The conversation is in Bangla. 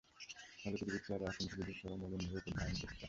ফলে পৃথিবীর চেহারা এখন ধূলি-ধূসর ও মলিন রূপ ধারণ করেছে।